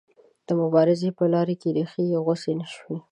د مبارزې په لاره کې ریښې یې غوڅې نه شوې.